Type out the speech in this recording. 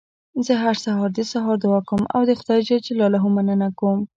زه هره ورځ د سهار دعا کوم او د خدای ج مننه کوم